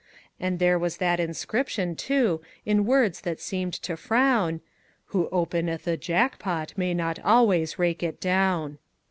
And there was that inscription, too, in words that seemed to frown: "Who openeth a jackpot may not always rake it down."